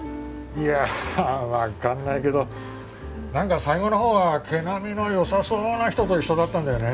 いや分かんないけどなんか最後のほうは毛並みのよさそうな人と一緒だったんだよね